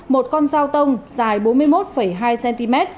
một con dao tông dài bốn mươi một hai cm